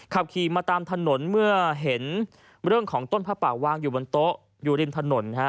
ขับขี่มาตามถนนเมื่อเห็นเรื่องของต้นผ้าป่าวางอยู่บนโต๊ะอยู่ริมถนน